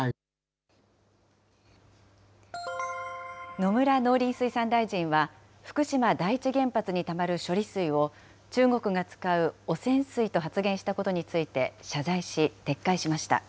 野村農林水産大臣は、福島第一原発にたまる処理水を、中国が使う汚染水と発言したことについて謝罪し、撤回しました。